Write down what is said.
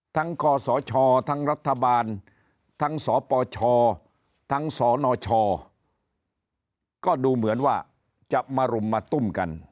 กศชทั้งรัฐบาลทั้งสปชทั้งสนชก็ดูเหมือนว่าจะมารุมมาตุ้มกัน